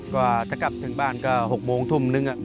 ก็จะกลับถึงบ้านก็๖โมงทุมหนึ่ง